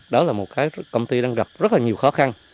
đó là một cái công ty đang gặp rất là nhiều khó khăn